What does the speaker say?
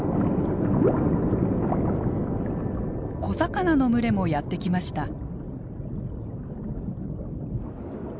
小魚の群れもやって来ました。